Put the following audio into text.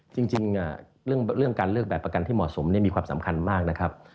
จริงเรื่องการเลือกแบบประกันที่เหมาะสมมีความสำคัญมากนะครับ